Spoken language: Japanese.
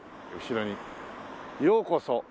後ろに「ようこそ」。